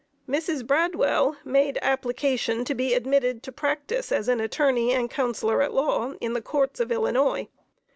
Mrs. Bradwell made application to be admitted to practice as an attorney and counsellor at law, in the Courts of Illinois.